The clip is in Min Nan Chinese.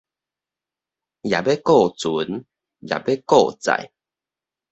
也欲顧船，也欲顧載